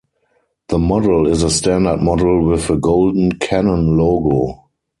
The model is a standard model with a golden Canon logo.